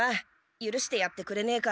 ゆるしてやってくれねえか？